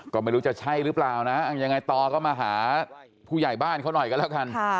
ก็ไม่รู้จะใช่หรือเปล่านะยังไงต่อก็มาหาผู้ใหญ่บ้านเขาหน่อยกันแล้วกัน